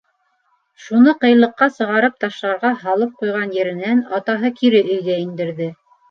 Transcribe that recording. Шуны ҡыйлыҡҡа сығарып ташларға һалып ҡуйған еренән атаһы кире өйгә индерҙе: